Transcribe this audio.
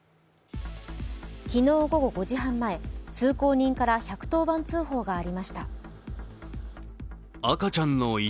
昨日午後５時半前、通行人から１１０番通報がありました。